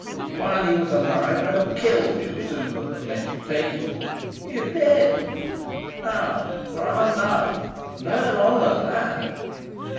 While he was alive I'd have killed you sooner than let you take it. He's dead. Now for our love and her honor, lad!"